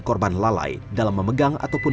korban lalai dalam memegang ataupun